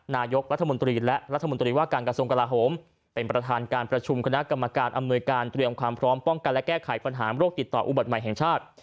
นายกรัฐมนตรีและรัฐมนตรีว่าการกระทรวงกลาโหมเป็นประธานการประชุมคณะกรรมการอำนวยการเตรียมความพร้อมป้องกันและแก้ไขปัญหาโรคติดต่ออุบัติใหม่แห่งชาติ